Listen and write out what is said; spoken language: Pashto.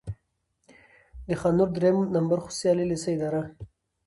د خان نور دريیم نمبر خصوصي عالي لېسې اداره،